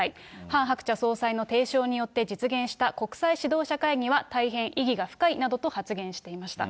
ハン・ハクチャ総裁の提唱によって実現した国際指導者会議は、大変意義が深いなどと発言していました。